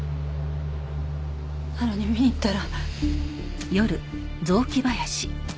なのに見に行ったら。